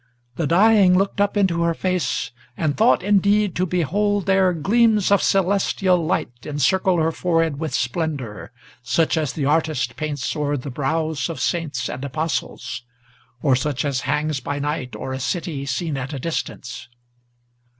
The dying Looked up into her face, and thought, indeed, to behold there Gleams of celestial light encircle her forehead with splendor, Such as the artist paints o'er the brows of saints and apostles, Or such as hangs by night o'er a city seen at a distance.